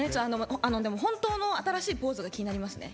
本当の新しいポーズが気になりますね。